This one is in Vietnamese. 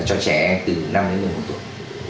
cho trẻ từ năm đến một mươi một tuổi